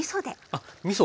あっみそ。